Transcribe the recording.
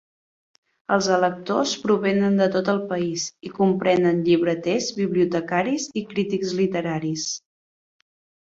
Els electors provenen de tot el país i comprenen llibreters, bibliotecaris i crítics literaris.